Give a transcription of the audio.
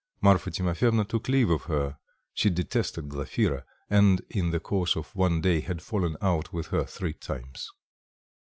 Marfa Timofyevna took leave of her; she detested Glafira, and in the course of one day had fallen out with her three times.